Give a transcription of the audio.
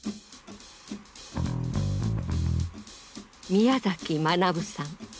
宮崎学さん。